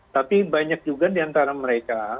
tapi banyak juga diantara mereka